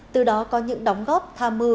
từ đó có những đóng góp tha mưu